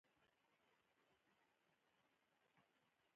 په دې باران کې یوه قطب نما هم باید وي.